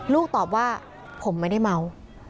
ลูกตอบว่าผมไม่ได้เมา